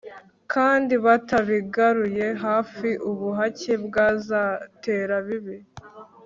kandi batabigaruriye hafi, ubuhake bwazatera bibi